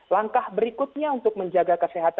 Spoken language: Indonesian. langkah berikutnya untuk menjaga kesehatan